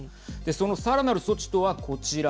その、さらなる措置とはこちら。